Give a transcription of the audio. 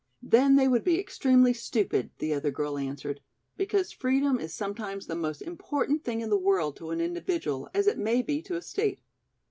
"Then they would be extremely stupid," the other girl answered, "because freedom is sometimes the most important thing in the world to an individual as it may be to a state.